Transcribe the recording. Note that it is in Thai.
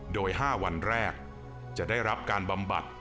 โดย๕วันแรกจะได้รับการบำบัด